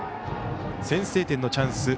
先制点のチャンス